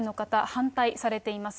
反対されています。